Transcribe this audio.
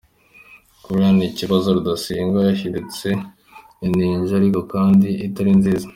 Kubirebana n’iki kibazo, Rudasingwa yahindutse ininja, ariko kandi itari nziza.